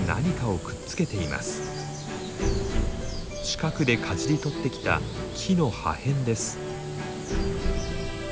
近くでかじり取ってきた木の破片です。